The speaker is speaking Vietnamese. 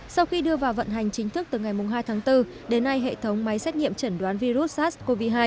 sau khi đưa vào vận hành chính thức từ ngày hai tháng bốn đến nay hệ thống máy xét nghiệm chẩn đoán virus sars cov hai